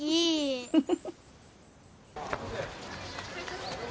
フフフフ。